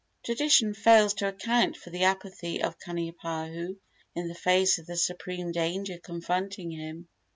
Tradition fails to account for the apathy of Kanipahu in the face of the supreme danger confronting him.